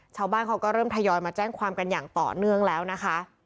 ชาวบ้านเขาก็เริ่มทยอยมาแจ้งความกันอย่างต่อเนื่องแล้วนะคะ